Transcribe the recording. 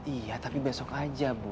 iya tapi besok aja bu